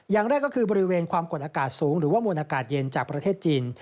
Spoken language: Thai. อย่างแรกก็คือบริเวณความกดอากาศสูงหรือว่ามวลอากาศเย็นจากประเทศจีน